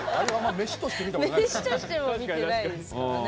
飯としては見てないですからね。